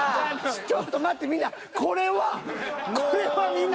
ちょっと待ってみんな。